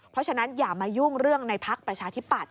เพราะฉะนั้นอย่ามายุ่งเรื่องในพักประชาธิปัตย